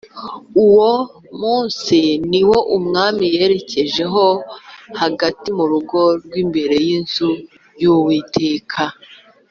Uwo munsi ni wo umwami yerejeho hagati mu rugo rw’imbere y’inzu y’Uwiteka